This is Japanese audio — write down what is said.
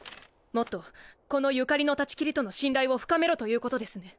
もっとこの所縁の断ち切りとの信頼を深めろということですね？